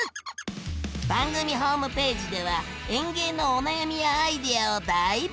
番組ホームページでは園芸のお悩みやアイデアを大募集！